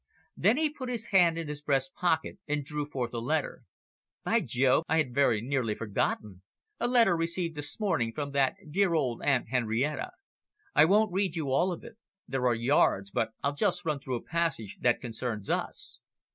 Then he put his hand in his breast pocket, and drew forth a letter. "By Jove, I had very nearly forgotten a letter received this morning from that dear old Aunt Henrietta. I won't read you all of it, there are yards, but I'll just run through a passage that concerns us."